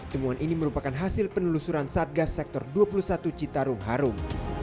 temuan ini merupakan hasil penelusuran satgas sektor dua puluh satu citarum harum